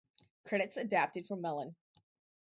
Credits adapted from Melon